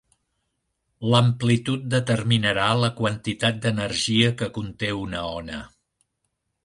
L'amplitud determinarà la quantitat d'energia que conté una ona.